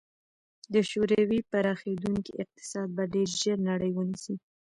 د شوروي پراخېدونکی اقتصاد به ډېر ژر نړۍ ونیسي.